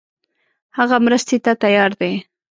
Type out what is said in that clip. هغه مرستې ته تیار دی.